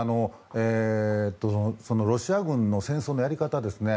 ロシア軍の戦争のやり方ですね。